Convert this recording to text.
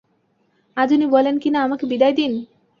আজ উনি বলেন কিনা, আমাকে বিদায় দিন।